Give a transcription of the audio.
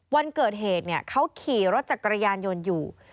วันเกิดเหตุเขาขี่รถจักรยานยนต์อยู่